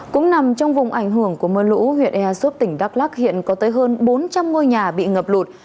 cũng nằm trong vùng ảnh hưởng của mưa lũ huyện ea súp tỉnh đắk lắc hiện có tới hơn bốn trăm linh ngôi nhà bị ngập lụt